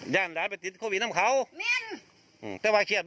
ถ้าว่าเชียดไม่ว่าจะเชียดตัว